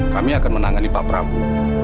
kami akan menangani pak prabowo